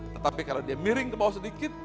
tetapi kalau dia miring ke bawah sedikit